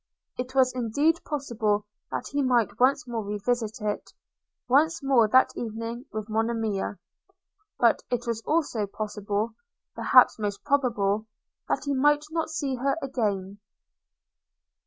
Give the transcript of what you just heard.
It was indeed possible that he might once more revisit it, once more that evening with Monimia; but it was also possible, perhaps most probable, that he might not see her again.